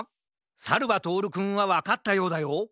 さるばとおるくんはわかったようだよ。